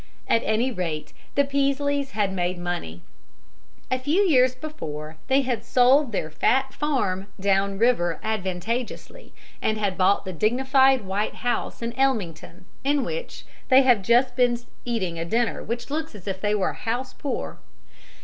At any rate, the Peaslees had made money. A few years before, they had sold their fat farm "down river" advantageously, and had bought the dignified white house in Ellmington in which they have just been seen eating a dinner which looks as if they were "house poor."